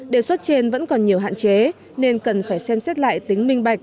đề xuất trên vẫn còn nhiều hạn chế nên cần phải xem xét lại tính minh bạch